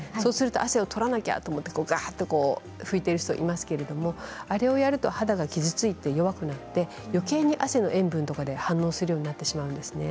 汗を取らなきゃと思って拭いている人がいますがあれをやると肌が傷ついて弱くなってよけいに汗の塩分で反応するようになってしまうんですね。